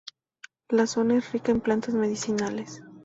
La zona es rica en plantas medicinales.